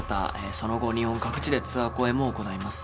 その後日本各地でツアー公演も行います